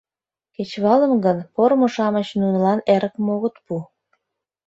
кечывалым гын, пормо-шамыч нунылан эрыкым огыт пу.